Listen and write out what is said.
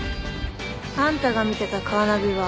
あんたが見てたカーナビは。